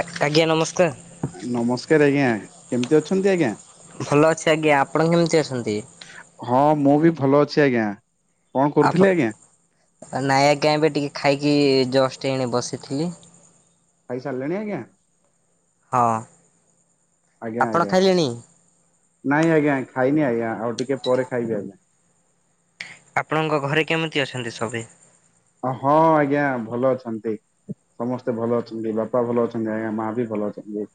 ଆ ଆଜ୍ଞା ନମସ୍କାର। ନମସ୍କାର ଆଜ୍ଞା କେମିତି ଅଛନ୍ତି ଆଜ୍ଞା? ଭଲ ଅଛି ଆଜ୍ଞା ଆପଣ କେମିତି ଅଛନ୍ତି? ହଁ ମୁଁ ବି ଭଲ ଅଛି ଆଜ୍ଞା। କଣ କରୁଥିଲେ ଆଜ୍ଞା? ନାହିଁ ଆଜ୍ଞା ଏବେ ଟିକେ ଖାଇକି ଜଷ୍ଟ ଏଣେ ବସିଥିଲି। ଖାଇ ସାରିଲେଣି ଆଜ୍ଞା? ହଁ। ଆଜ୍ଞା ଆପଣ ଆଜ୍ଞା ଖାଇଲେଣି ନାଇଁ ଆଜ୍ଞା ଖାଇନି ଆଜ୍ଞା ଆଉ ଟିକେ ପରେ ଖାଇବି ଆଜ୍ଞା। ଆପଣଙ୍କ ଘରେ କେମିତି ଅଛନ୍ତି ସବେ? ହଁ ଆଜ୍ଞା ଭଲ ଅଛନ୍ତି। ସମସ୍ତେ ଭଲ ଅଛନ୍ତି ବାପା ଭଲ ଅଛନ୍ତି ଆଜ୍ଞା ମା ବି ଭଲ ଅଛନ୍ତି।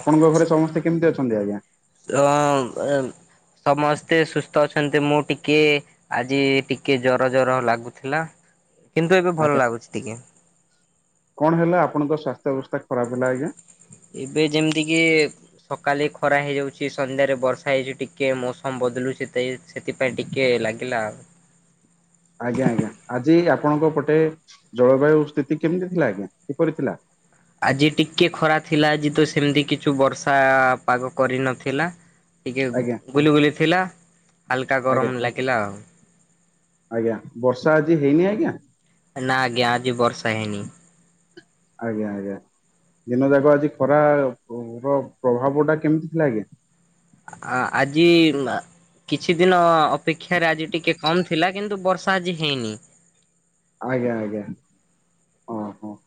ଆପଣଙ୍କ ଘରେ ସମସ୍ତେ କେମିତି ଅଛନ୍ତି ଆଜ୍ଞା? ରନ୍ ରନ୍ ସମସ୍ତେ ସୁସ୍ଥ ଅଛନ୍ତି ମୁଁ ଟିକେ ଆଜି ଟିକେ ଜର ଜର ଲାଗୁଥିଲା କିନ୍ତୁ ଏବେ ଆଜ୍ଞା ଭଲ ଲାଗୁଛି ଟିକେ। କଣ ହେଲା ଆପଣଙ୍କ ସ୍ୱାସ୍ଥ୍ୟ ଅବସ୍ଥା ଖରାପ୍ ହେଲା ଆଜ୍ଞା? ଏବେ ଯେମିତି କିି ସକାଳେ ଖରା ହେଇଯାଉଛି ସନ୍ଧ୍ୟାରେ ବର୍ଷା ହେଇଛି ଟିକେ ମୌସମ ବଦଳୁଛିତେ ସେଥିପାଇଁ ଟିକେ ଲାଗିଲା ଆଉ। ଆଜ୍ଞା ଆଜ୍ଞା ଆଜି ଆପଣଙ୍କ ପଟେ ଜଳବାୟୁ ସ୍ଥିତି କେମିତି ଥିଲା ଆଜ୍ଞା କିପରି ଥିଲା? ଆଜି ଟିକଏ ଖରା ଥିଲା ଆଜି ତ ସେମିତି କିଛି ବର୍ଷା ପାଗ କରିନଥିଲା। ଟିକେ ଆଜ୍ଞା ବୁଲି ବୁଲି ଥିଲା ହାଲକା ଆଜ୍ଞା ଗରମ ଲାଗିଲା ଆଉ। ଆଜ୍ଞା ବର୍ଷା ଆଜି ହେଇନି ଆଜ୍ଞା? ନା ଆଜ୍ଞା ଆଜି ବର୍ଷା ହେଇନି। ଆଜ୍ଞା ଆଜ୍ଞା ଦିନ ଯାକ ଆଜି ଖରା ର ପ୍ରଭାବ ଟା କେମିତି ଥିଲା ଆଜ୍ଞା? ଆ ଆଜି କିଛି ଦିନ ଅପେକ୍ଷାରେ ଆଜି ଟିକେ କମ୍ ଥିଲା କିନ୍ତୁ ବର୍ଷା ଆଜି ହେଇନି। ଆଜ୍ଞା ଆଜ୍ଞା ହଁ ହଁ।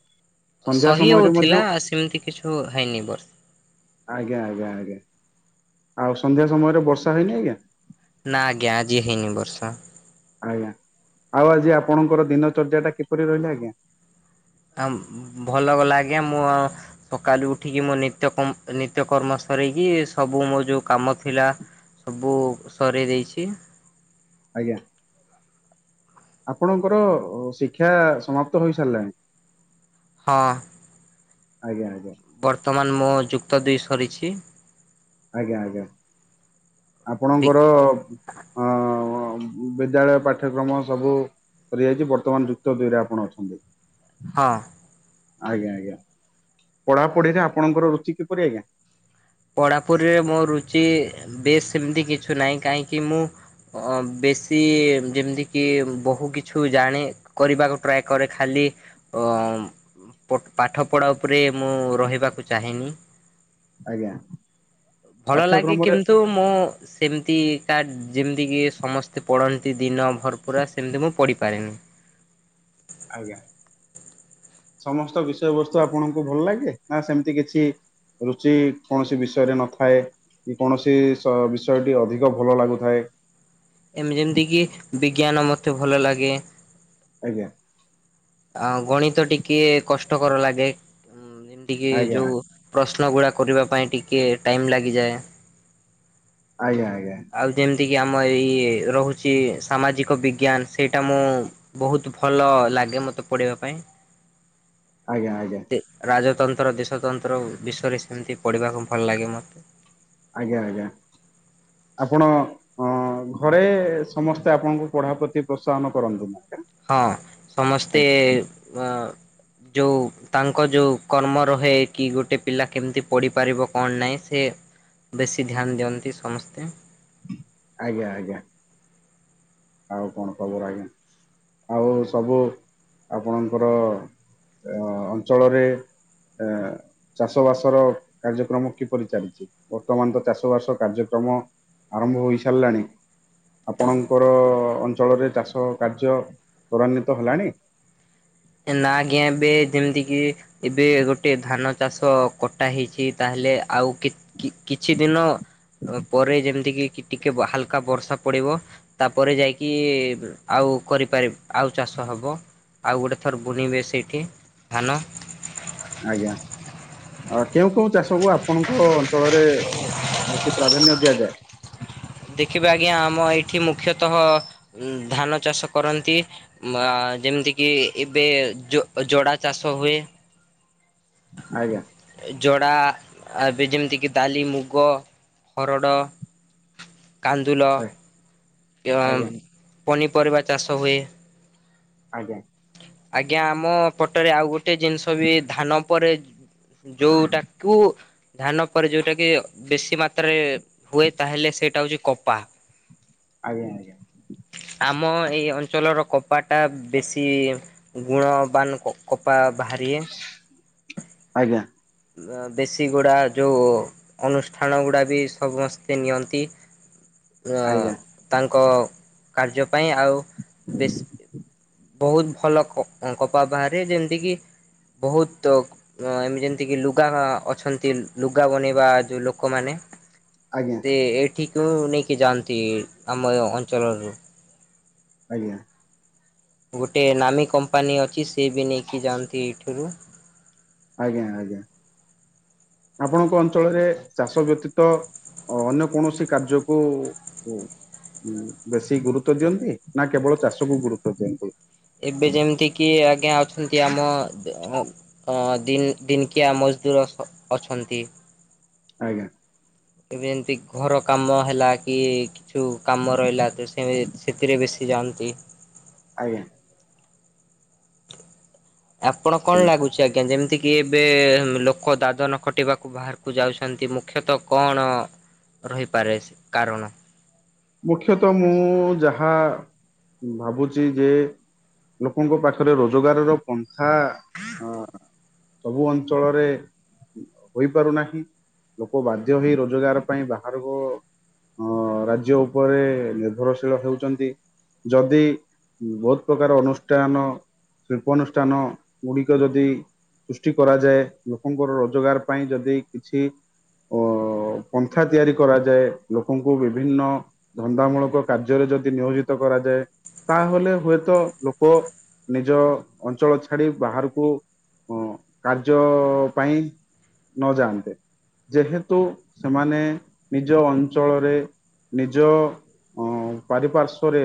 ସହି ହଉଥିଲା ସେମିତି କିଛି ହେଇନି ଏବର୍ଷ ଆଜ୍ଞା ଆଜ୍ଞା ଆଜ୍ଞା ଆଉ ସନ୍ଧ୍ୟା ସମୟରେ ବର୍ଷା ହେଇନି ଆଜ୍ଞା? ନା ଆଜ୍ଞା ଆଜି ହେଇନି ବର୍ଷା। ଆଜ୍ଞା ଆଉ ଆଜି ଆପଣଙ୍କର ଦିନ ଚର୍ଯ୍ୟା ଟା କିପରି ରହିଲା ଆଜ୍ଞା? ଆ ଭଲ ଭଲ ଆଜ୍ଞା ମୋ ସକାଳୁ ଉଠିକି ମୋ ନିତ୍ୟ କର୍ମ ନିତ୍ୟ କର୍ମ ସରିକି ସବୁ ମୋ ଯେଉଁ କାମ ଥିଲା ସବୁ ସରେଇ ଦେଇଛି। ଆଜ୍ଞା। ଆପଣଙ୍କର ଶିକ୍ଷା ସମାପ୍ତ ହୋଇସାରିଲାଣି? ହଁ। ଆଜ୍ଞା ଆଜ୍ଞା। ବର୍ତ୍ତମାନ ମୋର ଯୁକ୍ତ ଦୁଇ ସରିଛି। ଆଜ୍ଞା ଆଜ୍ଞା ବି ଆପଣଙ୍କର ଅ ବିଦ୍ୟାଳୟ ପାଠ୍ୟକ୍ରମ ସବୁ ସରିଯାଇଛି ବର୍ତ୍ତମାନ ଯୁକ୍ତ ଦୁଇରେ ଆପଣ ଅଛନ୍ତି। ହଁ। ଆଜ୍ଞା ଆଜ୍ଞା ପଢାପଢିରେ ଆପଣଙ୍କର ରୁଚି କିପରି ଆଜ୍ଞା? ପଢ଼ାପଢ଼ିରେ ମୋ ରୁଚି ବେଶ ସେମିତି କିଛି ନାହିଁ କାହିଁକି ମୁଁ ବେଶୀ ଯେମିତିକି ବହୁ କିଛି ମୁଁ ଜାଣେ। କରିବାକୁ ଟ୍ରାଏ କରେ ଖାଲି ଅ ପ ପାଠ ପଢ଼ା ଉପରେ ମୁଁ ରହିବାକୁ ଚାହେଁନି। ଆଜ୍ଞା। ଭଲ ଲାଗେ ପାଠ୍ୟକ୍ରମରେ କିନ୍ତୁ ମୁଁ ସେମିତି କାହା ଯେମିତିକି ସମସ୍ତେ ପଢ଼ନ୍ତି ଦିନ ଭରପୁରା ସେମିତି ମୁଁ ପଢ଼ିପାରେନି। ଆଜ୍ଞା ସମସ୍ତ ବିଷୟବସ୍ତୁ ଆପଣଙ୍କୁ ଭଲ ଲାଗେ ନା ସେମିତି କିଛି ରୁଚି କୌଣସି ବିଷୟରେ ନଥାଏ। କି କୌଣସି ସ ବିଷୟଟି ଅଧିକ ଭଲ ଲାଗୁଥାଏ? ଏମିତି ଯେମିତିକି ବିଜ୍ଞାନ ମୋତେ ଭଲ ଲାଗେ। ଆଜ୍ଞା। ଆ ଗଣିତ ଟିକେ କଷ୍ଟକର ଲାଗେ ଟିକେ ଆଜ୍ଞା। ଯୋଉ ପ୍ରଶ୍ନଗୁଡ଼ା କରିବା ପାଇଁ ଟିକେ ଟାଇମ ଲାଗିଯାଏ। ଆଜ୍ଞା ଆଜ୍ଞା। ଆଉ ଯେମିତିକି ଆମ ଏଇ ରହୁଛି ସାମାଜିକ ବିଜ୍ଞାନ ସେଇଟା ମୁଁ ବହୁତ ଭଲ ଲାଗେ ମତେ ପଢିବା ପାଇଁ। ଆଜ୍ଞା ଆଜ୍ଞା। ସେ ରାଜତନ୍ତ୍ର ଦେଶତନ୍ତ୍ର ବିଷୟରେ ସେମିତି ପଢ଼ିବାକୁ ଭଲ ଲାଗେ ମୋତେ। ଆଜ୍ଞା ଆଜ୍ଞା ଆପଣ ହଁ ଘରେ ସମସ୍ତେ ଆପଣଙ୍କୁ ପଢା ପ୍ରତି ପ୍ରୋତ୍ସାହନ କରନ୍ତି? ହଁ ସମସ୍ତେ ଅ ଯୋଉ ତାଙ୍କ ଯୋଉ କର୍ମ ରହେ କି ଗୋଟେ ପିଲା କେମିତି ପଢ଼ିପାରିବ କଣ ନାହିଁ ସେ ବେଶୀ ଧ୍ୟାନ ଦିଅନ୍ତି ସମସ୍ତେ। ଆଜ୍ଞା ଆଜ୍ଞା। ଆଉ କଣ ଖବର ଆଜ୍ଞା ଆଉ ସବୁ ଆପଣଙ୍କର ଅ ଅଞ୍ଚଳରେ ଏ ଚାଷ ବାସର କାର୍ଯ୍ୟକ୍ରମ କିପରି ଚାଲିଚି ବର୍ତ୍ତମାନ ତ ଚାଷ ବାସ କାର୍ଯ୍ୟକ୍ରମ ଆରମ୍ଭ ହୋଇସାରଲାଣି। ଆପଣଙ୍କର ଅଞ୍ଚଳରେ ଚାଷ କାର୍ଯ୍ୟ ତ୍ୱରାନ୍ୱିତ ହେଲାଣି? ଏନା ଆଜ୍ଞା ଏବେ ଯେମତି କି ଏବେ ଗୋଟେ ଧାନ ଚାଷ କଟା ହେଇଛି ତାହେଲେ ଆଉ କି କି କିଛି ଦିନ ଅ ପରେ ଯେମତିକି କି ଟିକେ ହାଲକା ବର୍ଷା ପଡ଼ିବ ତାପରେ ଯାଇକି ଆଉ କରିପାରି ଆଉ ଚାଷ ହବ ଆଉ ଗୋଟେ ଥରେ ବୁଣିବେ ସେଇଠି ଧାନ। ଆଜ୍ଞା। ଆ କେଉଁ କେଉଁ ଚାଷକୁ ଆପଣଙ୍କ ଅଞ୍ଚଳରେ ବେଶୀ ପ୍ରାଧାନ୍ୟ ଦିଆଯାଏ? ଦେଖିବା ଆଜ୍ଞା ଆମ ଏଇଠି ମୁଖ୍ୟତଃ ଧାନ ଚାଷ କରନ୍ତି। ମ୍ ଆ ଯେମତି କିି ଏବେ ଜ-ଜଡ଼ା ଚାଷ ହୁଏ। ଆଜ୍ଞା। ଏ ଜଡ଼ା ଏବେ ଯେମତିକି ଡାଲି, ମୁଗ, ହରଡ଼ କାନ୍ଦୁଲ ଏବଂ ଆଜ୍ଞା ପନିପରିବା ଚାଷ ହୁଏ। ଆଜ୍ଞା। ଆଜ୍ଞା ଆମ ପଟରେ ଆଉ ଗୋଟେ ଜିନଷ ବି ଧାନ ପରେ ଯୋଉଟାକୁ ଧାନ ପରେ ଯୋଉଟା କି ବେଶୀ ମାତ୍ରାରେ ହୁଏ ତାହେଲେ ସେଇଟା ହୋଉଚି କପା। ଆଜ୍ଞା ଆଜ୍ଞା। ଆମ ଏଇ ଅଞ୍ଚଳର କପାଟା ବେଶୀ ତି ଗୁଣବାନ କ-କପା ବାହାରିଏ। ଆଜ୍ଞା। ନା ଦେଶୀଗୁଡ଼ା ଯୋଉ ଅନୁଷ୍ଠାନ ଗୁଡ଼ା ବି ସମସ୍ତେ ନିଅନ୍ତି ଅ ଆଜ୍ଞା ଆଜ୍ଞା ତାଙ୍କ କାର୍ଯ୍ୟ ପାଇଁ ଆଉ ବେଶୀ ବୋହୁତ ଭଲ କ-ଅ-କପା ବାହାରେ ଯେମତି କିି ବୋହୁତ ଅ ଏମ୍ ଯେନ୍ ଯେତିକି ଲୁଗା ବା ଅଛନ୍ତି ଲୁଗା ବନେଇବା ଯୋଉ ଲୋକମାନେ ଆଜ୍ଞା ସିଏ ଏଇଠିକ୍ କୁ ନେଇକି ଯାଆନ୍ତି ଆମ ଅଞ୍ଚଳରୁ। ଆଜ୍ଞା। ଗୋଟେ ନାମୀ କମ୍ପାନୀ ଅଛି ସିଏ ବି ନେଇକି ଯାଆନ୍ତି ଏଇଠୁରୁ। ଆଜ୍ଞା ଆଜ୍ଞା ଆପଣଙ୍କ ଅଞ୍ଚଳରେ ଚାଷ ବ୍ୟତୀତ ଅ ଅନ୍ୟ କୌଣସି କାର୍ଯ୍ୟକୁ ଉ ଉ ବେଶୀ ଗୁରୁତ୍ୱ ଦିଅନ୍ତି ନା କେବଳ ଚାଷକୁ ଗୁରୁତ୍ବ ଦିଅନ୍ତି। ଏବେ ଯେମତି କିି ଆଜ୍ଞା ଅଛନ୍ତି ଆମ ଦେ ଓ ଅ ଦିନ୍ ଦିନକିଆ ମଜଦୁର ଅଛ ଅଛନ୍ତି। ଆଜ୍ଞା। ଏବେ ଯେମତି ଘର କାମ ହେଲା କି କ୍ କିଛୁ କାମ ରହିଲା ତ ସେ ସେଥିରେ ବେଶୀ ଯାଆନ୍ତି। ଆଜ୍ଞା। ଆପଣ କଣ ଆଜ୍ଞା ଲାଗୁ ଚି ଆଜ୍ଞା ଯେମତି କିି ଏବେ ଲୋକ ଦାଦନ ଖଟିବାକୁ ବାହାରକୁ ଯାଉଛନ୍ତି ମୁଖ୍ୟତଃ କଣ ରହିପାରେ ସେ କାରଣ? ମୁଖ୍ୟତଃ ମୁଁ ଯାହା ଭାବୁଚି ଯେ ଲୋକଙ୍କ ପାଖରେ ରୋଜଗାରର ପନ୍ଖା ଅ ସବୁ ଅଞ୍ଚଳରେ ହୋଇପାରୁନାହିଁ। ଲୋକ ବାଧ୍ୟ ହେଇ ରୋଜଗାର ପାଇଁ ବାହାରକୁ ଅ ରାଜ୍ୟ ଉପରେ ନିର୍ଭରଶୀଳ ହେଉଛନ୍ତି। ଯଦି ବହୁତ ପ୍ରକାର ଅନୁଷ୍ଠାନ ଶିଳ୍ପାନୁଷ୍ଠାନ ଗୁଡ଼ିକ ଯଦି ସୃଷ୍ଟି କରାଯାଏ, ଲୋକଙ୍କର ରୋଜଗାର ପାଇଁ ଯଦି କିଛି ଅ ପନ୍ଥା ତିଆରି କରାଯାଏ ଲୋକଙ୍କୁ ବିଭିନ୍ନ ଧନ୍ଦାମୂଳକ କାର୍ଯ୍ୟରେ ଯଦି ନିୟୋଜିତ କରାଯାଏ ତାହେଲେ ହୁଏତ ଲୋକ ନିଜ ଅଞ୍ଚଳ ଛାଡି ବାହାରକୁ ହଁ କାର୍ଯ୍ୟ ପାଇଁ ନଯାଆନ୍ତେ। ଯେହେତୁ ସେମାନେ ନିଜ ଅଞ୍ଚଳରେ ନିଜ ପାରିପାର୍ଶ୍ଵରେ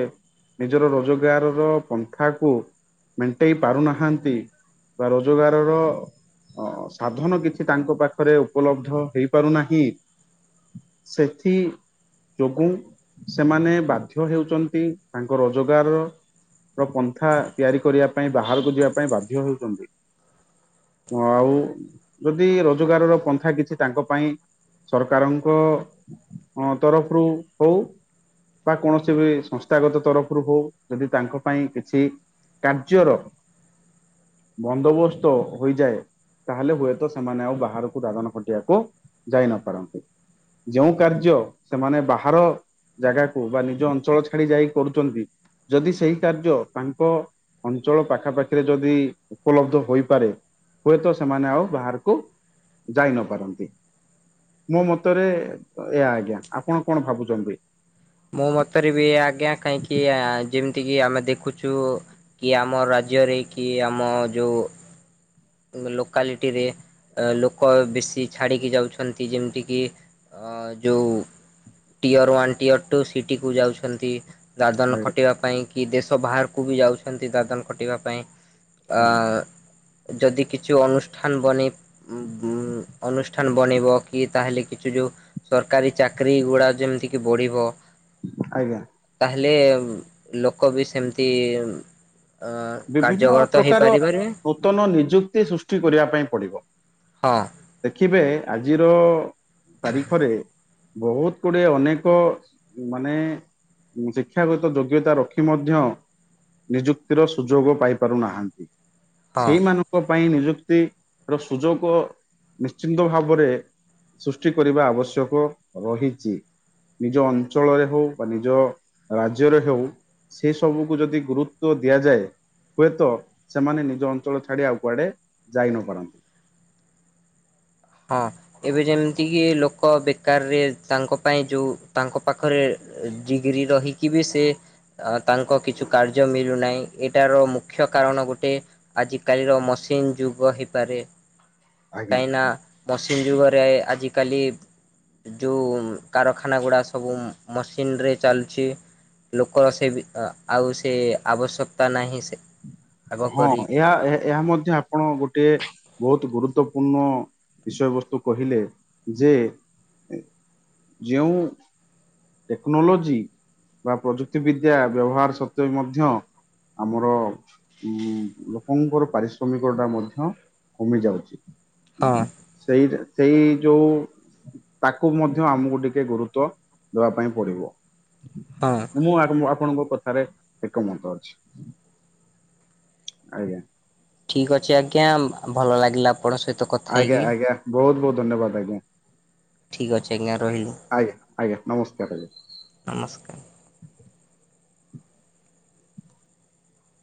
ନିଜର ରୋଜଗାର ର ପନ୍ଥା କୁ ମେଣ୍ଟେଇ ପାରୁନାହାନ୍ତି ବା ରୋଜଗାର ର ଅ ସାଧନ କିଛି ତାଙ୍କ ପାଖରେ ଉପଲବ୍ଧ ହେଇପାରୁନାହିଁ। ସେଥି ଯୋଗୁଁ ସେମାନେ ବାଧ୍ୟ ହେଉଛନ୍ତି ତାଙ୍କ ରୋଜଗାର ର ପନ୍ଥା ତିଆରି କରିବା ପାଇଁ ବାହାରକୁ ଯିବା ପାଇଁ ବାଧ୍ୟ ହେଉଛନ୍ତି। ହ ଆଉ ଯଦି ରୋଜଗାର ର ପନ୍ଥା କିଛି ତାଙ୍କ ପାଇଁ ସରକାରଙ୍କ ତରଫରୁ ହଉ ବା କୌଣସି ବି ସଂସ୍ଥା ଗତ ତରଫରୁ ହଉ ଯଦି ତାଙ୍କ ପାଇଁ କିଛି କାର୍ଯ୍ୟର ବନ୍ଦୋବସ୍ତ ହୋଇଯାଏ ତାହେଲେ ହୁଏତ ସେମାନେ ଆଉ ବାହାରକୁ ଦାଦନ ଖଟିବାକୁ ଯାଇ ନ ପାରନ୍ତି। ଯେଉଁ କାର୍ଯ୍ୟ ସେମାନେ ବା ହାର ଜାଗାକୁ ବା ନିଜ ଅଞ୍ଚଳ ଛାଡି ଯାଇକ କରୁଛନ୍ତି ଯଦି ସେଇ କାର୍ଯ୍ୟ ତାଙ୍କ ଅଞ୍ଚଳ ପାଖାପାଖିରେ ଯଦି ଉପଲବ୍ଧ ହୋଇପାରେ ହୁଏତ ସେମାନେ ଆଉ ବାହାରକୁ ଯାଇ ନ ପାରନ୍ତି। ମୋ ମତରେ ଏ ଆଜ୍ଞା ଆପଣ କଣ ଭାବୁଛନ୍ତି? ମୋ ମତରେ ବି ଆଜ୍ଞା କାହିଁକି ଯେମିତି କିି ଆମେ ଦେଖୁଛୁ କି ଆମ ରାଜ୍ୟରେ କି ଆମ ଯୋଉ ଲୋକାଲିଟିରେ ଲୋକ ବେଶୀ ଛାଡ଼ିକି ଯାଉଛନ୍ତି ଯେମିତି କିି ଅ ଯେଉଁ ଟିୟର ୱାନ୍ ଟିୟର୍ ଟୁ ସିଟିକୁ ଯାଉଛନ୍ତି। ଦାଦନ ଆଜ୍ଞା ଖଟିବା ପାଇଁ କି ଦେଶ ବାହାରକୁ ବି ଯାଉଛନ୍ତି ଦାଦନ ଖଟିବା ପାଇଁ ଆଜ୍ଞା ଅ ଯଦି କିଛି ଅନୁଷ୍ଠାନ ବନେଇ ଉଁ ଅନୁଷ୍ ଷ୍ଠାନ ବନେଇବ କି ତାହେଲେ କିଛି ଯେଉଁ ସରକାରୀ ଚାକିରରି ଗୁଡ଼ାକ ଯେମିତିକି ବଢ଼ିବ ଆଜ୍ଞା। ତାହେଲେ ଲୋକ ବି ସେମିତି ଅ ବିଭିନ୍ନ କାର୍ଯ୍ୟକର ତ ପ୍ରକାର ହେଇପାରିପାରିବେ। ନୂତନ ନିଯୁକ୍ତି ସୃଷ୍ଟି କରିବା ପାଇଁ ପଡିବ। ହଁ। ଦେଖିବେ ଆଜିର ତାରିଖରେ ବହୁତ ଗୁଡିଏ ଅନେକ ମାନେ ଶିକ୍ଷାଗତ ଯୋଗ୍ୟତା ରଖି ମଧ୍ୟ ନିଯୁକ୍ତିର ସୁଯୋଗ ପାଇ ପାରୁନାହାନ୍ତି। ହଁ ସେଇମାନ ଙ୍କ ପାଇଁ ନିଯୁକ୍ତି ର ସୁଯୋଗ ନିଶ୍ଚିନ୍ତ ଭାବରେ ସୃଷ୍ଟି କରିବା ଆବଶ୍ୟକ ରହିଛି। ନିଜ ଅଞ୍ଚଳରେ ହଉ ବା ନିଜ ରାଜ୍ୟରେ ହଉ ସେ ସବୁକୁ ଯଦି ଗୁରୁତ୍ଵ ଦିଆଯାଏ ହୁଏତ ସେମାନେ ନିଜ ଅଞ୍ଚଳ ଛାଡି ଆଉ କୁଆଡେ ଯାଇ ନ ପାରନ୍ତି। ହଁ ଏବେ ଯେମ୍ତି କି ଲୋକ ବେକାରରେ ତାଙ୍କ ପାଇଁ ଯୋଉ ତାଙ୍କ ପାଖରେ ଡିଗ୍ରୀ ରହିକି ବି ସେ ଅ ତାଙ୍କ କିଛି କାର୍ଯ୍ୟ ମିଳୁନାହିଁ, ଏଇଟାର ମୁଖ୍ୟ କାରଣ ଗୋଟେ ଆଜିକାଲିର ମସିନ୍ ଯୁଗ ହେଇପାରେ, ଆଜ୍ଞା କାଇଁନା ମସିନ୍ ଯୁଗରେ ଆଜିକାଲି ଯୋଉ କାରଖାନ ଗୁଡ଼ା ସବୁ ମସିନ୍ ରେ ଚାଲୁଛି। ଲୋକର ସେ ବି ଆଉ ସେ ଆବଶ୍ୟକତା ନାହିଁ, ସେ ଆଗ ହଁ ପରି। ଏହା-ଏହା ମଧ୍ୟ ଆ ପଣ ଗୋଟିଏ ବହୁତ୍ ଗୁରୁତ୍ୱପୂର୍ଣ୍ଣ ବିଷୟବସ୍ତୁ କହିଲେ ଯେ ଯେଉଁ ଟେକ୍ନୋଲୋଜି ବା ପ୍ରଯୁକ୍ତିବିଦ୍ୟା ବ୍ୟବହାର ସତ୍ୱେ ମଧ୍ୟ ଆମର ଉଁ ଲୋକଙ୍କର ପାରିଶ୍ରମିକ ଟା ମଧ୍ୟ କମି ଯାଉଚି। ହଁ ସେଇଟା ସେଇ ଯୋଉ ତାକୁ ମଧ୍ୟ ଆମୁକୁ ଟିକେ ଗୁରୁତ୍ବ ଦବା ପାଇଁ ପଡିବ। ହଁ। ମୁଁ ଆପଣଙ୍କ କଥାରେ ଏକମତ ଅଛି। ଆଜ୍ଞା। ଠିକ୍ ଅଛି ଆଜ୍ଞା, ଭଲ ଲାଗିଲା ଆପଣଙ୍କ ସହିତ କଥା ହେଇକି ଆଜ୍ଞା-ଆଜ୍ଞା ବହୁତ୍-ବହୁତ୍ ଧନ୍ୟବାଦ୍ ଆଜ୍ଞା। ଠିକ୍ ଅଛି ଆଜ୍ଞା ରହିଲି ଆଜ୍ଞା-ଆଜ୍ଞା ନମସ୍କାର୍ ଆଜ୍ଞା। ନମସ୍କାର୍।